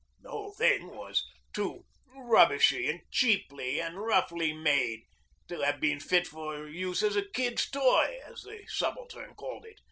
The whole thing was too rubbishy and cheaply and roughly made to have been fit for use as a 'kid's toy,' as the subaltern called it.